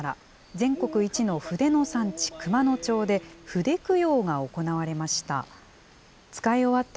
全国一の筆の産地、熊野町で、筆供養が行われました。